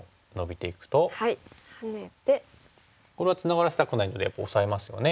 これはツナがらせたくないのでオサえますよね。